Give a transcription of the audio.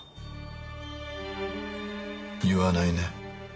言わないね。